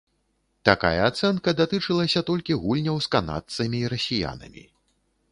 Такая ацэнка датычылася толькі гульняў з канадцамі і расіянамі.